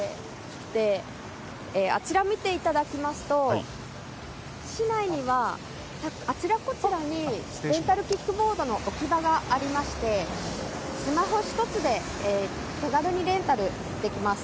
あちらを見ていただきますと市内には、あちらこちらにレンタルキックボードの置き場がありましてスマホ１つで手軽にレンタルできます。